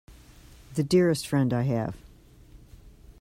The dearest friend I have!